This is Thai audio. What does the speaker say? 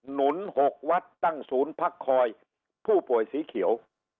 หนุน๖วัดตั้งศูนย์พักคอยผู้ป่วยสีเขียว